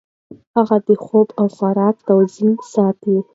هغې د خوب او خوراک توازن ساتي.